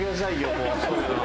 もうそういうのは。